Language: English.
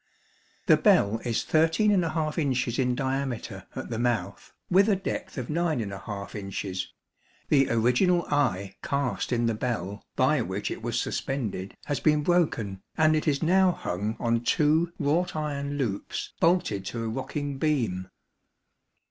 The bell is 13 inches in diameter at the mouth, with a depth of 9 inches; the original eye cast in the bell, by which it was suspended, has been broken, and it is now hung on two wrought iron loops bolted to a rocking beam.